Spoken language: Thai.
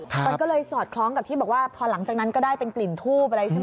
มันก็เลยสอดคล้องกับที่บอกว่าพอหลังจากนั้นก็ได้เป็นกลิ่นทูบอะไรใช่ไหม